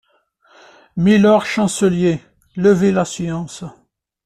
Mylord chancelier, levez la séance!